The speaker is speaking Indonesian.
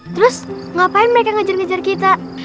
terus ngapain mereka ngejar ngejar kita